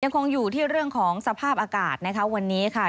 คงอยู่ที่เรื่องของสภาพอากาศนะคะวันนี้ค่ะ